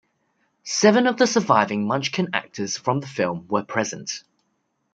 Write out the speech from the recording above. Seven of the surviving Munchkin actors from the film were present.